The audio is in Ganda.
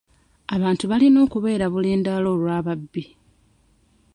Abantu balina okubeera bulindaala olw'ababbi.